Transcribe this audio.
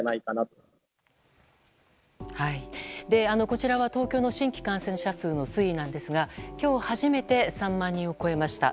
こちらは東京の新規感染者数の推移なんですが今日、初めて３万人を超えました。